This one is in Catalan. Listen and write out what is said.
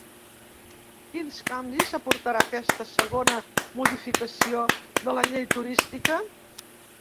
Quins canvis aportarà aquesta segona modificació de la llei turística?